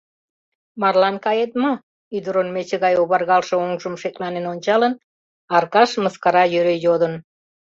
«Марлан кает мо?» — ӱдырын мече гай оваргалше оҥжым шекланен ончалын, Аркаш мыскара йӧре йодын.